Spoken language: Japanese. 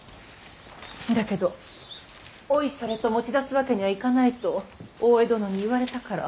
だけどおいそれと持ち出すわけにはいかないと大江殿に言われたから。